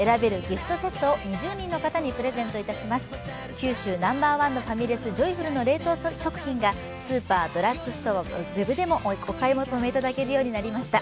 九州ナンバーワンのファミレス、ジョイフルの冷凍食品がスーパー、ドラッグストア、ウェブでもお買い求めいただけるようになりました！